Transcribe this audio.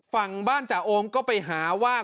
ฝั่งบ้านจ่าโอมก็ไปหาว่า